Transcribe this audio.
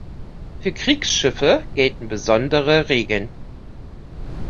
Für Kriegsschiffe gelten besondere Regeln.